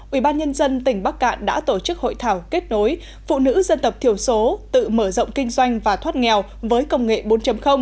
ubnd tỉnh bắc cạn đã tổ chức hội thảo kết nối phụ nữ dân tộc thiểu số tự mở rộng kinh doanh và thoát nghèo với công nghệ bốn